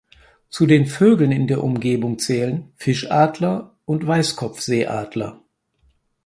Zu den Vögeln in der Umgebung zählen Fischadler und Weißkopfseeadler.